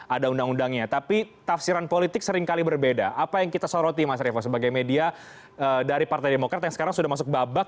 ada undang undangnya tapi tafsiran politik seringkali berbeda apa yang kita soroti mas revo sebagai media dari partai demokrat yang sekarang sudah masuk babak